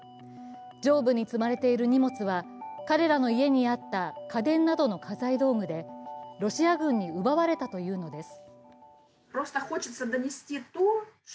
上部に積まれている荷物は彼らの家にあった家電などの家財道具で、ロシア軍に奪われたというのです。